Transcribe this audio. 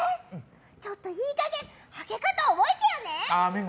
ちょっといい加減開け方覚えてよね！